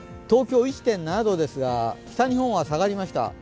東京１．７度ですが北日本は下がりました。